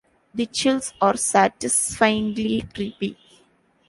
The chills are satisfyingly creepy.